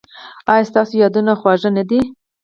ایا ستاسو یادونه خوږه نه ده؟